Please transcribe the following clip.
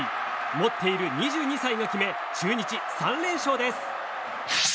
持っている２２歳が決め中日３連勝です。